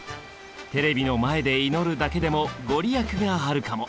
テレビの前で祈るだけでも御利益があるかも。